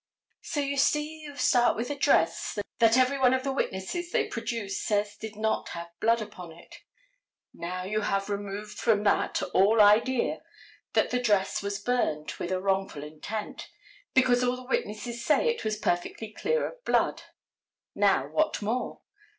So you see you start with a dress that every one of the witnesses they produced says did not have blood upon it. Now, you have removed from that all idea that that dress was burned with a wrongful intent, because all the witnesses say it was perfectly clear of blood. Now, what more?